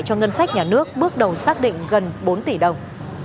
cho ngân sách nhà nước bước đầu xác định gần bốn tỷ đồng